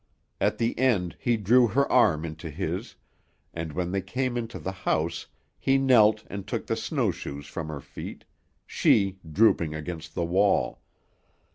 At the end he drew her arm into his, and, when they came into the house, he knelt and took the snowshoes from her feet, she drooping against the wall.